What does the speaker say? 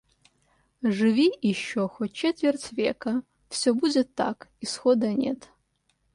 Живи ещё хоть четверть века — Всё будет так. Исхода нет.